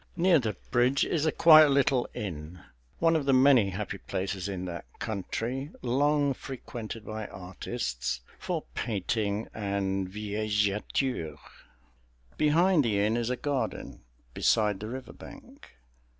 Near the bridge is a quiet little inn, one of the many happy places in that country long frequented by artists for painting and "villégiature." Behind the inn is a garden beside the river bank.